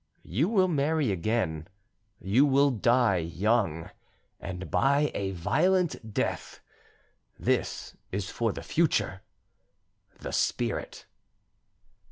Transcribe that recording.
"You will marry again; you will die young, and by a violent death. This is for the future. "THE SPIRIT."